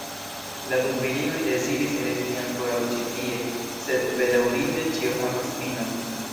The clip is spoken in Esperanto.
La du virinoj deziris resti ankoraŭ ĉi tie, sed bedaŭrinde ĉio havas finon.